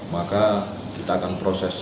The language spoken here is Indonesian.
maka kita akan berbicara